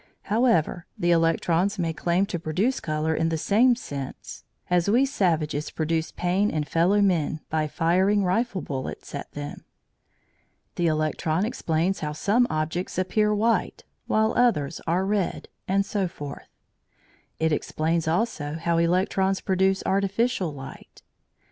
However, the electrons may claim to produce colour in the same sense as we savages produce pain in fellow men by firing rifle bullets at them. The electron explains how some objects appear white, while others are red, and so forth. It explains also how electrons produce artificial light.